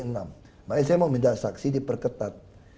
makanya saya mau pindah saksi di perketat